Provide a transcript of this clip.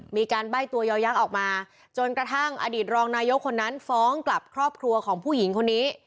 มีการใบ้ตัวยอยักษ์ออกมาจนกระทั่งอดีตรองนายกคนนั้นฟ้องกลับครอบครัวของผู้หญิงคนนี้